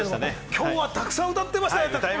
今日ｈａたくさん歌ってましたね。